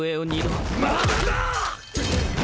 まだだ！